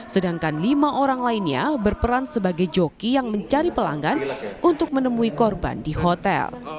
sedangkan lima orang lainnya berperan sebagai joki yang mencari pelanggan untuk menemui korban di hotel